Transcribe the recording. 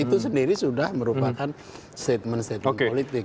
itu sendiri sudah merupakan statement statement politik